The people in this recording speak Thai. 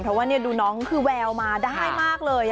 เพราะว่าดูน้องคือแววมาได้มากเลย